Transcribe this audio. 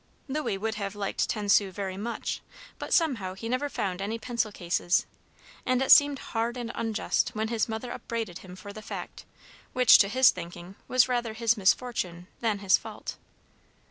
Louis would have liked ten sous very much, but somehow he never found any pencil cases; and it seemed hard and unjust when his mother upbraided him for the fact, which, to his thinking, was rather his misfortune than his fault.